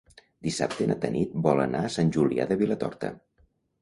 Dissabte na Tanit vol anar a Sant Julià de Vilatorta.